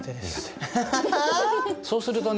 そうするとね